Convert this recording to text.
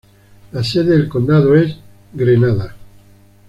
La sede del condado es Grenada.